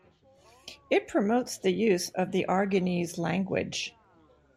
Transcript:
It promotes the use of the Aragonese language.